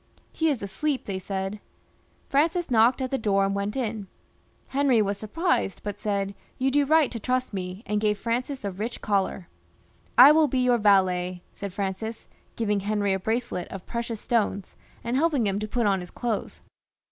" He is asleep," they said. Francis knocked at the door and went in. Henry was surprised, but said, "You do right to trust me," and gave Francis a rich coUar. ".I will be your valet," said Francis, giving Henry a bracelet of precious stones, and helping him to put on his clothes.